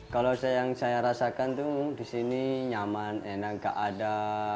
kalau yang saya rasakan tuh di sini nyaman enak gak ada